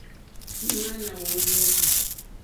Ŋwáná wùrzû.